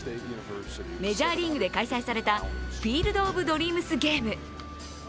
メジャーリーグで開催された「フィールド・オブ・ドリームス・ゲーム」